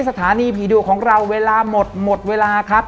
สถานีผีดุของเราเวลาหมดหมดเวลาครับ